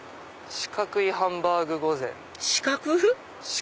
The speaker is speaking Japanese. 四角いハンバーグ御膳？